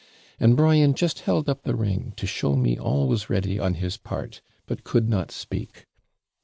And Brian just held up the ring, to show me all was ready on his part, but could not speak.